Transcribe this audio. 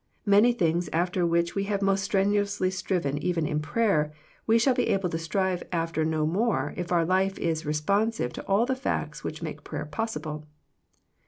Many things after which we have most strenuously striven even in prayer, we shall be able to strive after no more if our life is responsive to all the facts which make prayer possible.